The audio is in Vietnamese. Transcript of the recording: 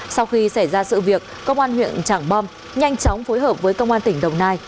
sau khi xảy ra sự việc công an huyện trảng bom nhanh chóng phối hợp với công an tỉnh đồng nai